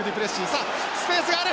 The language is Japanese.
さあスペースがある。